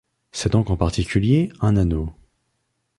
C'est donc en particulier un anneau.